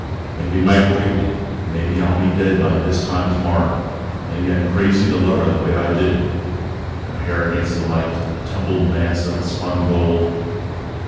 Maybe Mike will get me. Maybe I'll be dead by this time tomorrow. Maybe I'm crazy to love her the way I do ... Her hair against the light, a tumbled mass of spun gold.